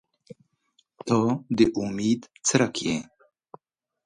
• ته د امید څرک یې.